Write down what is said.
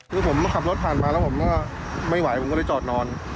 คือผมขับรถผ่านมาแล้วผมก็ไม่ไหวผมก็เลยจอดนอน